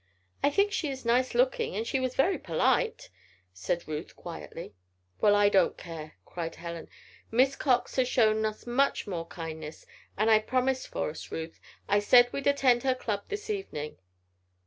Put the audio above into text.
"I think she is nice looking and she was very polite," said Ruth, quietly. "Well, I don't care," cried Helen. "Miss Cox has shown us much more kindness. And I promised for us, Ruth. I said we'd attend her club this evening."